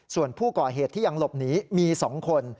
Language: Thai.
ส่วนผู้ก่อเหตุที่ยังหลบหนีมี๒คน